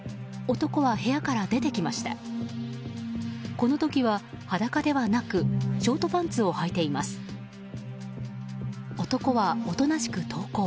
男はおとなしく投降。